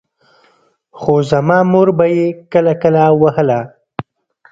خو زما مور به يې کله کله وهله.